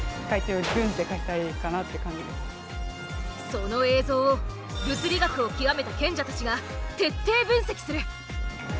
その映像を物理学を究めた賢者たちが徹底分析する。